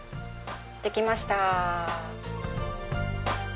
できました。